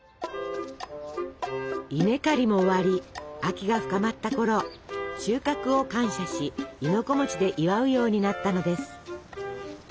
稲刈りも終わり秋が深まったころ収穫を感謝し亥の子で祝うようになったのです。